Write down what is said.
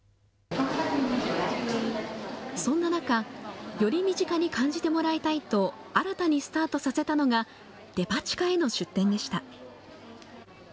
そんな中、より身近に感じてもらいたいと新たにスタートさせたのがデパ地下への出店でした。